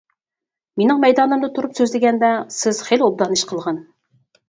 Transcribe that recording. مېنىڭ مەيدانىمدا تۇرۇپ سۆزلىگەندە، سىز خېلى ئوبدان ئىش قىلغان.